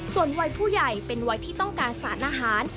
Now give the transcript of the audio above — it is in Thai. ส่วนวัยผู้ใหญ่เป็นวัยที่ต้องการสารอาหาร